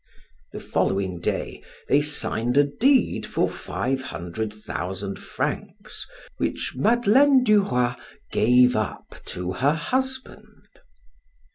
The following day they signed a deed for five hundred thousand francs, which Madeleine du Roy gave up to her husband.